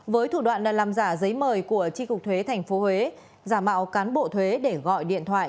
với thủ đoạn làm giả giấy mời của chính cục thuế thành phố huế giả mạo cán bộ thuế để gọi điện thoại